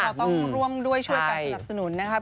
เราต้องร่วมด้วยช่วยกันสนับสนุนนะครับ